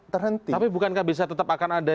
terhenti tapi bukankah bisa tetap akan ada